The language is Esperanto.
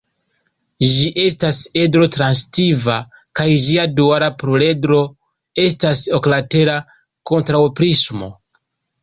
Ĝi estas edro-transitiva kaj ĝia duala pluredro estas oklatera kontraŭprismo.